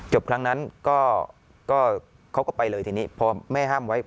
ครั้งนั้นก็เขาก็ไปเลยทีนี้พอแม่ห้ามไว้